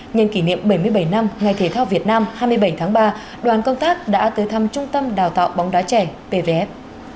nhân kỷ niệm bảy mươi bảy năm ngày thể thao việt nam hai mươi bảy tháng ba đoàn công tác đã tới thăm trung tâm đào tạo bóng đá trẻ pvf